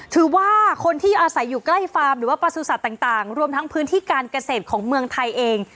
ถือว่าคนที่อาศัยอยู่ใกล้ฟาร์มหรือว่าประสุทธิ์ต่างรวมทั้งพื้นที่การเกษตรของเมืองไทยเอง